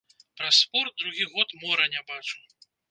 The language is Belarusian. Праз спорт другі год мора не бачу.